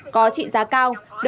có trị giá cao